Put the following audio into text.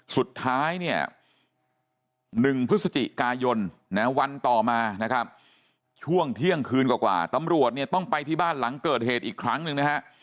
สุดท้ายเนี่ย๑พฤศจิกายนนะวันต่อมานะครับช่วงเที่ยงคืนกว่าตำรวจเนี่ยต้องไปที่บ้านหลังเกิดเหตุอีกครั้งหนึ่งนะฮะ